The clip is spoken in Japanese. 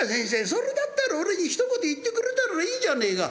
それだったら俺にひと言言ってくれたらいいじゃねえか。